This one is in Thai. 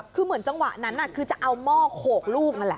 คือเหมือนจังหวะนั้นคือจะเอาหม้อโขกลูกนั่นแหละ